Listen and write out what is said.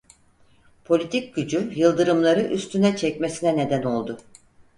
Politik gücü yıldırımları üstüne çekmesine neden oldu.